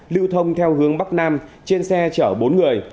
lưu thông theo hướng bắc nam trên xe chở bốn người